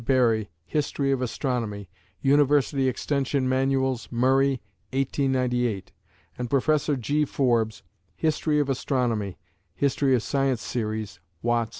Berry, "History of Astronomy" (University Extension Manuals, Murray, 1898), and Professor G. Forbes, "History of Astronomy" (History of Science Series, Watts, 1909).